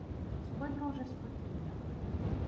Спи, друже, спокійно.